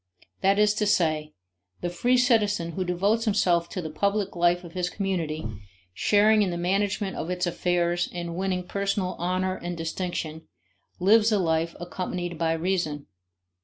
That is to say, the free citizen who devotes himself to the public life of his community, sharing in the management of its affairs and winning personal honor and distinction, lives a life accompanied by reason.